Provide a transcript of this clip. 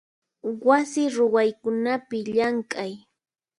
Wasi ruwaykunapi llamk'ay.